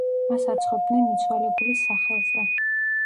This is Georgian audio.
მას აცხობდნენ მიცვალებულის სახელზე.